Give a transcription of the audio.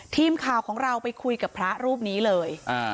ทีมข่าวของเราไปคุยกับพระรูปนี้เลย